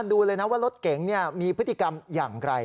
ดูเลยนะว่ารถเก๋งมีพฤติกรรมอย่างไร